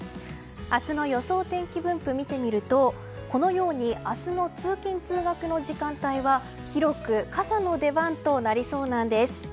明日の予想天気分布を見てみるとこのように明日の通勤・通学の時間帯は広く傘の出番となりそうなんです。